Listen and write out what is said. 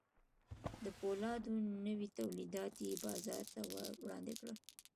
د پولادو نوي تولیدات یې بازار ته وړاندې کړل